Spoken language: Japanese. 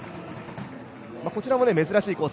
こちらも珍しいコース。